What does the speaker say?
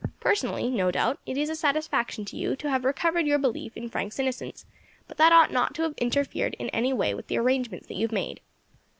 Personally, no doubt, it is a satisfaction to you to have recovered your belief in Frank's innocence, but that ought not to interfere in any way with the arrangements that you have made.